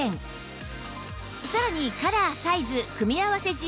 さらにカラー・サイズ組み合わせ